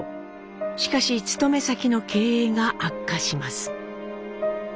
しかし勤め先の経営が悪化します。